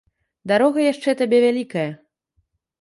Дарога яшчэ табе вялікая.